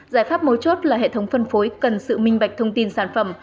giải pháp mối chốt là hệ thống phân phối cần sự minh bạch thông tin sản phẩm